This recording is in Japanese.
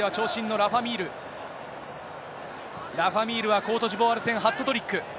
ラファ・ミールは、コートジボアール戦、ハットトリック。